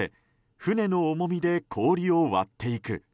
船の重みで氷を割っていく。